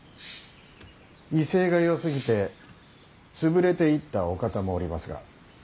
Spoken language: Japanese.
威勢がよすぎて潰れていったお方もおりますが。